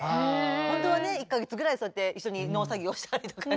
本当はね一か月ぐらいそうやって一緒に農作業したりとかね